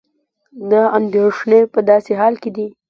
دا اندېښنې په داسې حال کې دي